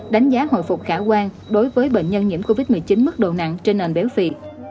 đánh giá hồi phục khả quan đối với bệnh nhân nhiễm covid một mươi chín mức độ nặng trên nền béo phì